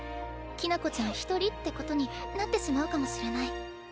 きな子ちゃん１人ってことになってしまうかもしれない。